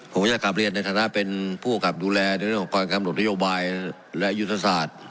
ผมจะกลับเรียนในฐานะเป็นผู้กับดูแลในเรื่องของการกำหนดนโยบายและยุทธศาสตร์